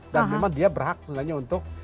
dan memang dia berhak sebenarnya untuk